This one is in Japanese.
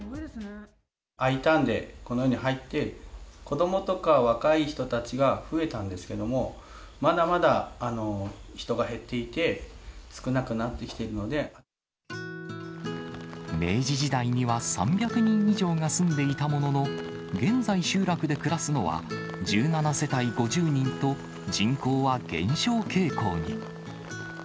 Ｉターンでこのように入って、子どもとか若い人たちは増えたんですけども、まだまだ人が減って明治時代には３００人以上が住んでいたものの、現在、集落で暮らすのは１７世帯５０人と、人口は減少傾向に。